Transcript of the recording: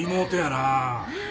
なあ。